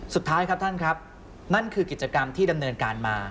สุดท้ายครับท่านครับนั่นคือกิจกรรมที่ดำเนินการมา